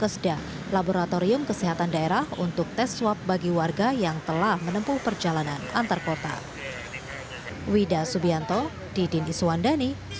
seda laboratorium kesehatan daerah untuk tes swab bagi warga yang telah menempuh perjalanan antar kota